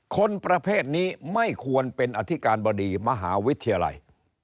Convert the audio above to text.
คนประเภทนี้ไม่ควรเป็นอธิการบดีมหาวิทยาลัย